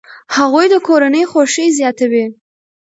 هغوی د کورنۍ خوښي زیاتوي.